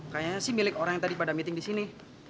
kayaknya sih milik orang yang tadi pada meeting di sini